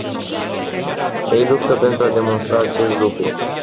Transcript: Ei luptă pentru a demonstra acest lucru.